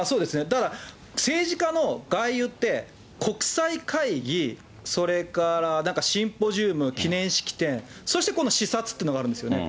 だから、政治家の外遊って、国際会議、それからなんかシンポジウム、記念式典、そしてこの視察っていうのがあるんですよね。